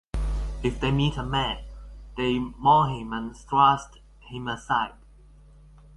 If they meet a man, they maul him and thrust him aside.